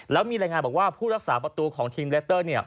แล้วมีรายงานบอกว่าผู้รักษาประตูของทีมเลสเตอร์